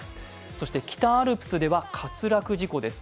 そして北アルプスでは滑落事故です。